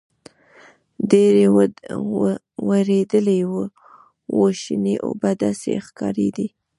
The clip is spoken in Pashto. ډېر وېردلي وو شنې اوبه داسې ښکارېدې.